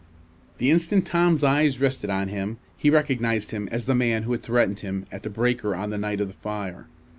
The instant Tom's eyes rested on him he recognized him as the man who had threatened him at the breaker on the night of the fire.